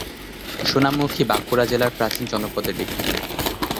সোনামুখী বাঁকুড়া জেলার প্রাচীন জনপদের একটি।